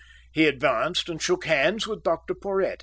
He advanced and shook hands with Dr Porhoët.